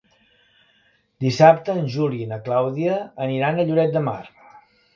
Dissabte en Juli i na Clàudia aniran a Lloret de Mar.